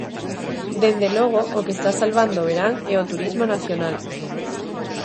Dende logo, o que está salvando o verán é o turismo nacional.